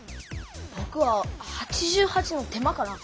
ぼくは「８８の手間」かな。